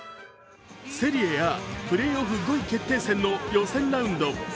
セリエＡ、プレーオフ５位決定戦の予選ラウンド。